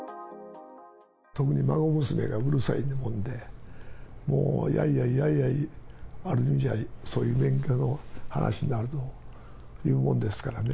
特に孫娘がうるさいもんで、もうやいやいやいやい、そういう免許の話になると言うもんですからね。